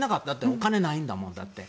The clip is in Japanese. お金ないんだもん、だって。